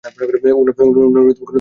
উনার গুণধর পুত্র না?